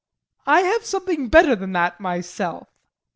I have something better than that myself.